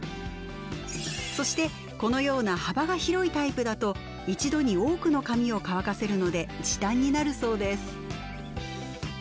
そしてこのような幅が広いタイプだと一度に多くの髪を乾かせるので時短になるそうです。